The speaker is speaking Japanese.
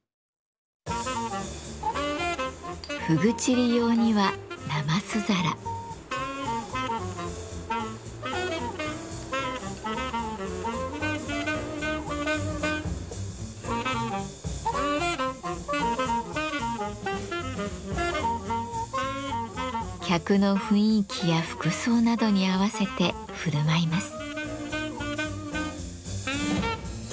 ふぐちり用には客の雰囲気や服装などに合わせてふるまいます。